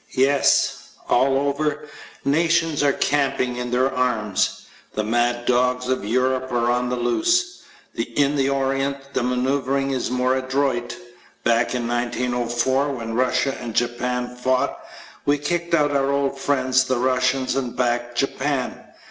Yes, all over, nations are camping in their arms. The mad dogs of Europe are on the loose. In the Orient the maneuvering is more adroit. Back in 1904, when Russia and Japan fought, we kicked out our old friends the Russians and backed Japan.